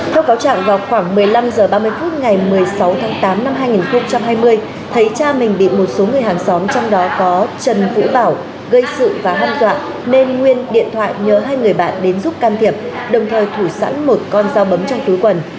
theo cáo trạng vào khoảng một mươi năm h ba mươi phút ngày một mươi sáu tháng tám năm hai nghìn hai mươi thấy cha mình bị một số người hàng xóm trong đó có trần vũ bảo gây sự và hâm dọa nên nguyên điện thoại nhờ hai người bạn đến giúp can thiệp đồng thời thủ sẵn một con dao bấm trong túi quần